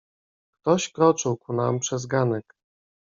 "Ktoś kroczył ku nam przez ganek."